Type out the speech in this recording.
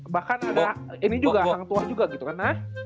bahkan ada ini juga hang tuah juga gitu kan